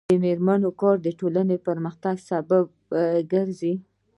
د میرمنو کار د ټولنې پرمختګ سبب ګرځي.